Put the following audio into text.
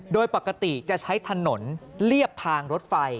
โดยปกติจะใช้ถนนเรียบทางรถไฟ